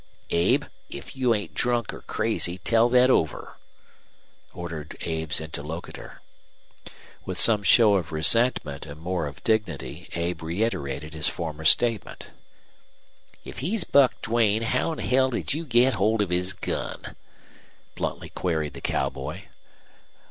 "Abe, if you ain't drunk or crazy tell thet over," ordered Abe's interlocutor. With some show of resentment and more of dignity Abe reiterated his former statement. "If he's Buck Duane how'n hell did you get hold of his gun?" bluntly queried the cowboy.